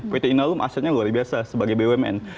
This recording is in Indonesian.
pt inalum asetnya luar biasa sebagai bumn